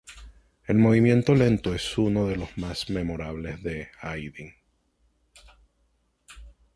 El movimiento lento es uno de los más memorables de Haydn.